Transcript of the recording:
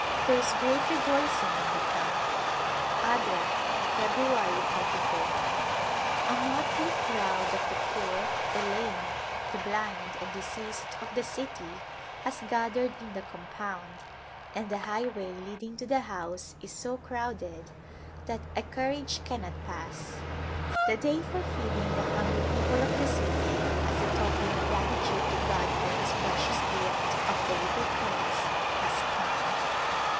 There is great rejoicing in the camp. Agra, Feb. 2jih. A motley crowd of the poor, the lame, the blind and diseased of the city has gathered in the compound, and the highway leading to the house is so crowded that a carriage cannot pass. The day for feeding the [ 272] Birth of an Heir hungry people of the city, as a token of gratitude to God for His precious gift of the little prince, has come.